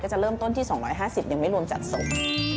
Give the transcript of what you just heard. จะเริ่มต้นที่๒๕๐ยังไม่รวมจัดส่ง